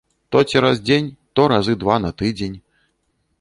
То цераз дзень, то разы два на тыдзень.